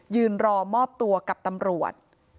ยืนรอมอบตัวกับตำรวจ